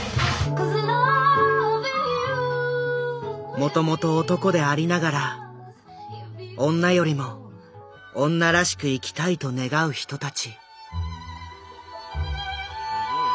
もともと男でありながら女よりも女らしく生きたいと願う人たち。